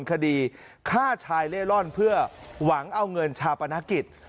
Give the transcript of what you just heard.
คดีฆ่าชายเล่ร่อนเพื่อหวังเอาเงินชาปนกิจ